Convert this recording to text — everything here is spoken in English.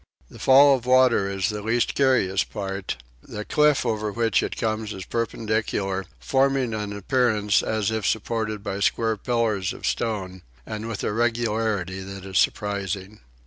The fall of water is the least curious part; the cliff over which it comes is perpendicular, forming an appearance as if supported by square pillars of stone, and with a regularity that is surprising.